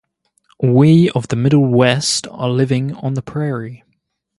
We of the Middle West are living on the prairie.